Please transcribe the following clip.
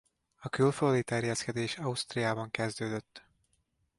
A külföldi terjeszkedés Ausztriában kezdődött.